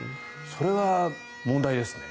それは問題ですね。